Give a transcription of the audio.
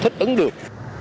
thích ứng được